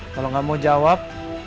kalo gak mau jawab